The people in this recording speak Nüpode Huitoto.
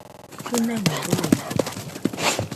Kɨnaimo bɨide